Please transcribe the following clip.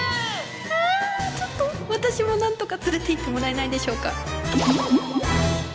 あちょっと私もなんとか連れていってもらえないでしょうか。